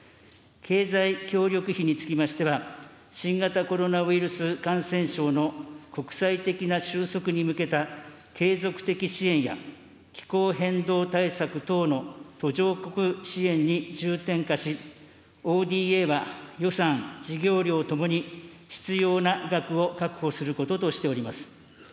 経済協力費につきましては、新型コロナウイルス感染症の国際的な収束に向けた継続的支援や、気候変動対策等の途上国支援に重点化し、ＯＤＡは予算、事業量ともに必要な額を確保することとしております。